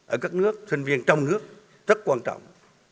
ở các nước sinh viên trong nước rất quan trọng